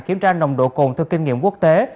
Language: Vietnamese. kiểm tra nồng độ cồn theo kinh nghiệm quốc tế